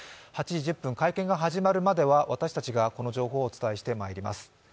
８時１０分、会見が始まるまでは私たちがこの情報をお伝えしていきます。